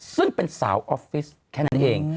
ซึ่งเป็นสาวออฟฟิศแค่นั้นเอง